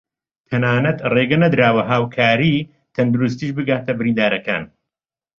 تەناتە رێگە نەدراوە هاوکاری تەندروستیش بگاتە بریندارەکان